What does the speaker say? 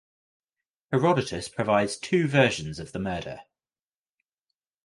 Herodotus provides two versions of the murder.